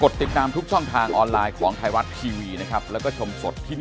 จุดเริ่มต้นที่ดีที่สุด